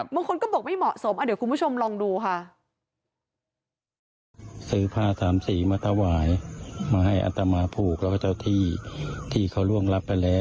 บางคนก็บอกไม่เหมาะสมเดี๋ยวคุณผู้ชมลองดูค่ะ